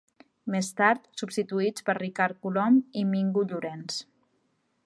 Més tard, substituïts per Ricard Colom i Mingo Llorenç.